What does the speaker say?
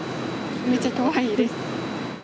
めっちゃ怖いです。